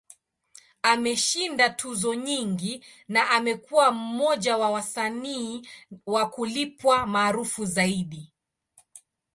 Ameshinda tuzo nyingi, na amekuwa mmoja wa wasanii wa kulipwa maarufu zaidi.